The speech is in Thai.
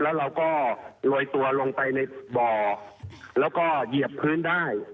แล้วเราก็โรยตัวลงไปในบ่อแล้วก็เหยียบพื้นได้